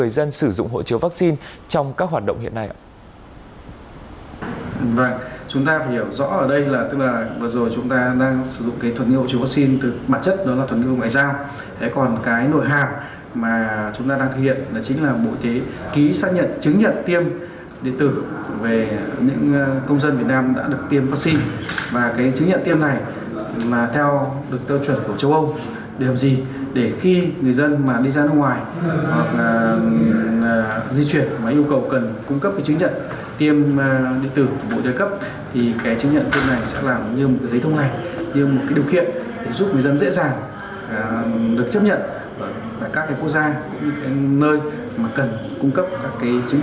và sử dụng cái chứng nhận tiêm điện tử mà bộ y tế đã cung cấp theo thủy trưởng châu âu